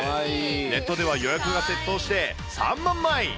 ネットでは予約が殺到して、３万枚。